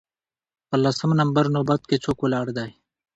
په لسم نمبر نوبت کې څوک ولاړ دی